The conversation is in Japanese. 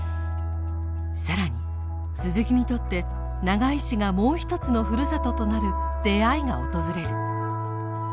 更に鈴木にとって長井市がもう一つのふるさととなる出会いが訪れる。